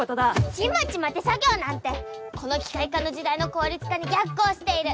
ちまちま手作業なんてこの機械化の時代の効率化に逆行している！